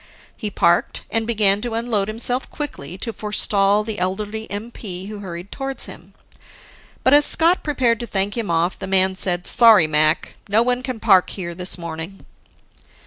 He parked and began to unload himself quickly, to forestall the elderly MP who hurried towards him. But, as Scott prepared to thank him off, the man said, "Sorry, Mac, no one can park there this morning."